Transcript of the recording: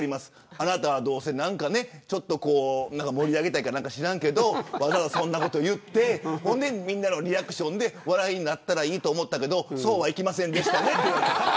あなたは盛り上げたいのか知らんけどわざわざそんなこと言ってみんなのリアクションで笑いになったらいいと思ったけどそうはいきませんでしたねって。